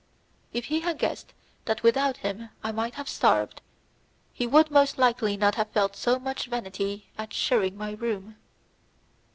If he had guessed that without him I might have starved, he would most likely not have felt so much vanity at sharing my room.